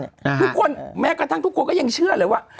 ทุกคนแม้กระทั่งทุกคนก็ยังเชื่อเลยว่า